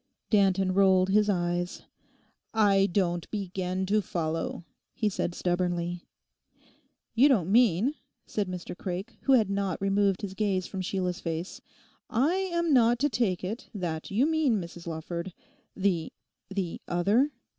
Danton rolled his eyes. 'I don't begin to follow,' he said stubbornly. 'You don't mean,' said Mr Craik, who had not removed his gaze from Sheila's face, 'I am not to take it that you mean, Mrs Lawford, the—the other?